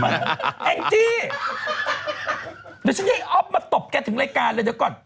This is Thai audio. แองจี้เดี๋ยวฉันให้อ๊อฟมาตบแกถึงรายการเลยเดี๋ยวก่อน